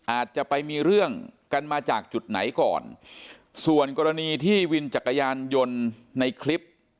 อาจจะไปมีเรื่องกันมาจากจุดไหนก่อนส่วนกรณีที่วินจักรยานยนต์ในคลิป